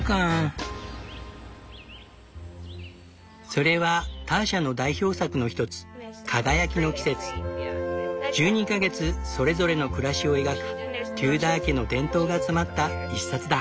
それはターシャの代表作の一つ１２か月それぞれの暮らしを描くテューダー家の伝統が詰まった一冊だ。